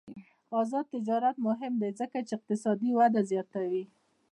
آزاد تجارت مهم دی ځکه چې اقتصادي وده زیاتوي.